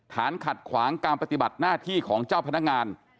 ฐานขัดขวางการปฏิบัติหน้าที่ของเจ้าพนักงาน